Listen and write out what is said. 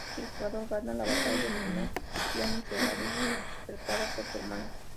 Si el jugador gana la batalla final, Giana será despertada por su hermana.